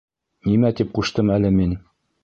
— Нимә тип ҡуштым әле мин?